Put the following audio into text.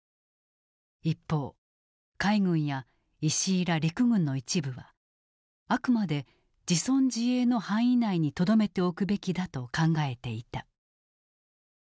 一方海軍や石井ら陸軍の一部はあくまで自存自衛の範囲内にとどめておくべきだと考えていた。